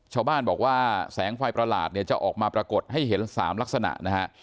ชาวบ้านบอกว่าแสงไฟประหลาดเนี่ยจะออกมาปรากฏให้เห็น๓ลักษณะนะฮะ